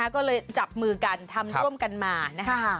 ก็เลยจับมือกันทำร่วมกันมานะคะ